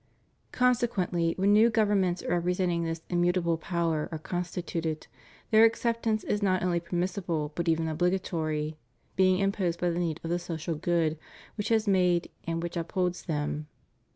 Consequently, when new governments representing thi« immutable power are constituted, their acceptance is not only permissible but even obligatory, being imposed by the need of the social good which has made and which upholds them.